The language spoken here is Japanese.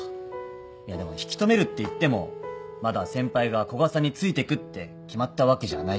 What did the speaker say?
いやでも引き留めるっていってもまだ先輩が古賀さんについていくって決まったわけじゃないし。